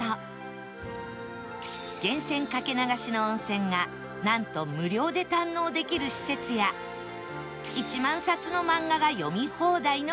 源泉かけ流しの温泉がなんと無料で堪能できる施設や１万冊の漫画が読み放題のカフェ